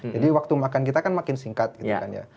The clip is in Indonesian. jadi waktu makan kita kan makin singkat gitu kan ya